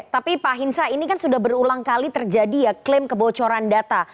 tapi pak hinsa ini kan sudah berulang kali terjadi ya klaim kebocoran data